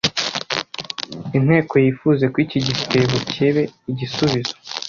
Inteko yifuze ko iki gitebo cyebe igisubizo